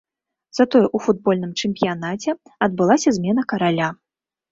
Затое ў футбольным чэмпіянаце адбылася змена караля.